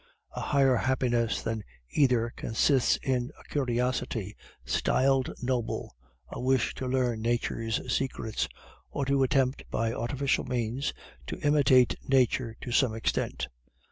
A higher happiness than either consists in a curiosity, styled noble, a wish to learn Nature's secrets, or to attempt by artificial means to imitate Nature to some extent.